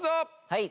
はい。